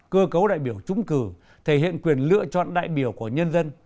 cơ cấu đại biểu trúng cử thể hiện quyền lựa chọn đại biểu của nhân dân